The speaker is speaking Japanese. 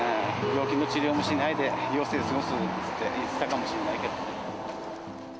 病気の治療もしないで、余生過ごすんだって言ってたかもしんないけど。